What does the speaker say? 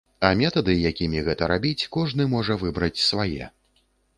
А метады, якімі гэта рабіць, кожны можа выбраць свае.